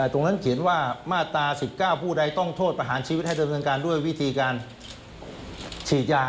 เขียนว่ามาตรา๑๙ผู้ใดต้องโทษประหารชีวิตให้ดำเนินการด้วยวิธีการฉีดยา